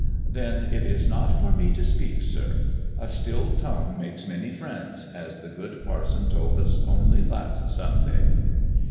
" Then it is not for me to speak, sir. A still tongue makes many friends, as the good parson told us only last Sunday."